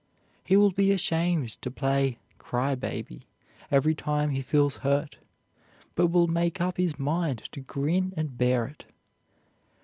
He will be ashamed to play "cry baby" every time he feels hurt, but will make up his mind to grin and bear it.